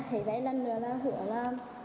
thế với lần nữa là hiểu là